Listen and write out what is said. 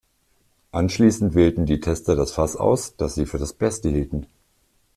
Anschließend wählten die Tester das Fass aus, das sie für das beste hielten.